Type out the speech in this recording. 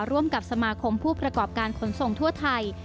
ร่วมกับสมาคมผู้ประกอบการขนส่งทั่วไทย